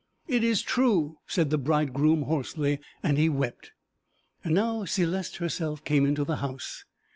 'It is true,' said the bridegroom hoarsely; and he wept. And now Céleste herself came into the house.